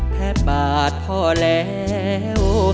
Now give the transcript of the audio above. แค่บาทพอแล้ว